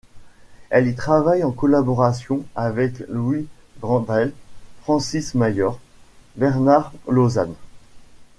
Elle y travaille en collaboration avec Louis Dandrel, Francis Mayor, Bernard Lauzanne...